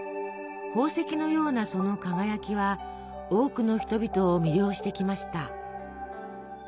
宝石のようなその輝きは多くの人々を魅了してきました。